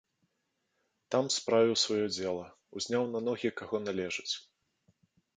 Там справіў сваё дзела, узняў на ногі каго належыць.